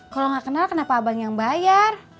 kalau nggak kenal kenapa abang yang bayar